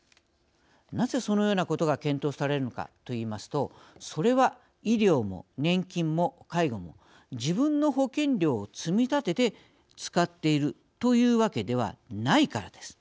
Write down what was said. なぜ、そのようなことが検討されるのかと言いますとそれは、医療も年金も介護も自分の保険料を積み立てて使っているというわけではないからです。